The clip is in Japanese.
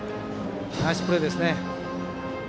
ナイスプレーです。